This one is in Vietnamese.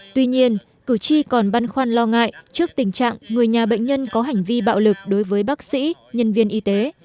tuy nhiên cử tri còn băn khoăn lo ngại trước tình trạng người nhà bệnh nhân có hành vi bạo lực đối với bác sĩ nhân viên y tế